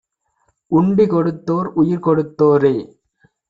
உண்டி கொடுத்தோர் உயிர் கொடுத்தோரே